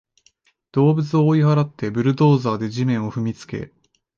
動物を追い払って、ブルドーザーで地面を踏みつけ